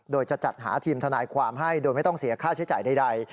โดยจะจัดหาทีมทนายความให้โดยไม่ต้องเสียค่าใช้จ่ายใด